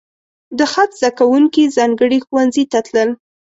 د خط زده کوونکي ځانګړي ښوونځي ته تلل.